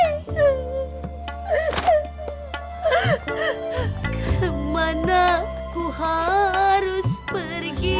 kemanaku harus pergi